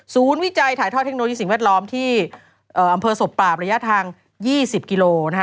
วิจัยถ่ายทอดเทคโนโลยีสิ่งแวดล้อมที่อำเภอศพปราบระยะทาง๒๐กิโลนะคะ